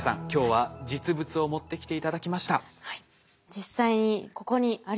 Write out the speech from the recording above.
実際にここにありますね。